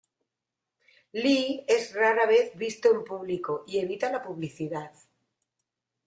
Lee es rara vez visto en público y evita la publicidad.